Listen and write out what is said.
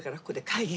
会議？